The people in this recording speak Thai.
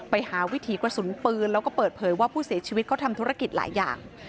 วิถีกระสุนปืนแล้วก็เปิดเผยว่าผู้เสียชีวิตเขาทำธุรกิจหลายอย่าง